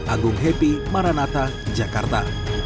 agung happy maranata jakarta